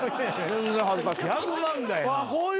全然恥ずかしくない。